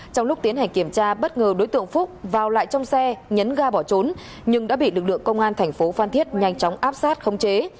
trong lúc tiến hành kiểm tra bất ngờ đối tượng phúc vào lại trong xe nhấn ga bỏ trốn nhưng đã bị lực lượng công an thành phố phan thiết nhanh chóng áp sát khống chế